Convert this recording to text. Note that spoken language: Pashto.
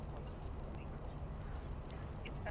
هغه یرغلونه چي پر ټول ملت یې تباه کوونکي